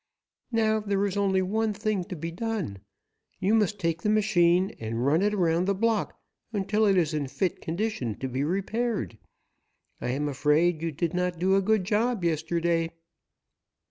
Now, there is only one thing to be done. You must take the machine and run it around the block until it is in a fit condition to be repaired. I am afraid you did not do a good job yesterday."